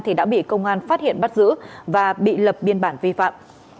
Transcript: thì đã bị công an phát hiện bắt giữ và bị lập biên bản vi phạm